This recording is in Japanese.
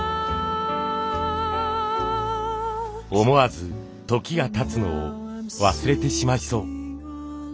思わず時がたつのを忘れてしまいそう。